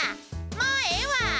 もうええわ！